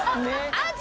アジ。